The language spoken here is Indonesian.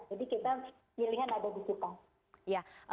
jadi kita pilih yang ada disuka